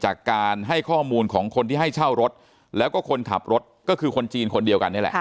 จากการให้ข้อมูลของคนที่ให้เช่ารถแล้วก็คนขับรถก็คือคนจีนคนเดียวกันนี่แหละ